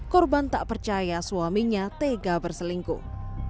korban tak percaya suaminya tega berselingkuh